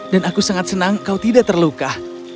dan aku sangat senang kau tidak terluka